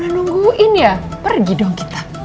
nungguin ya pergi dong kita